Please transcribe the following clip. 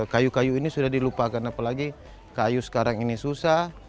kayu kayu ini sudah dilupakan apalagi kayu sekarang ini susah